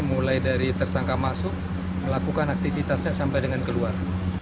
mulai dari tersangka masuk melakukan aktivitasnya sampai dengan keluar